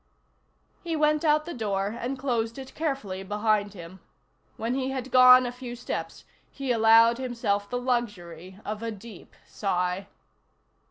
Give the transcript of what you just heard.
He went out the door and closed it carefully behind him. When he had gone a few steps he allowed himself the luxury of a deep sigh.